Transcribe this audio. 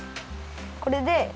これで。